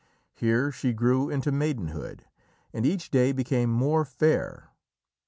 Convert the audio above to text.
Here she grew into maidenhood, and each day became more fair.